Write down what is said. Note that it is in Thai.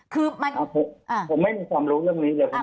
ผมไม่มีความรู้เรื่องนี้เลย